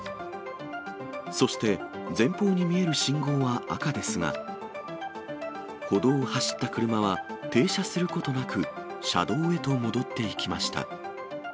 そして、前方に見える信号は赤ですが、歩道を走った車は停車することなく、車道へと戻っていきました。